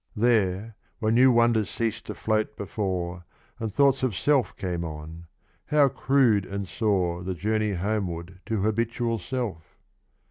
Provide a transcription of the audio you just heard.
There, when new wonders ceas'd to float before And thoughts of self came on, how crude and sore The journey homeward to habitual self!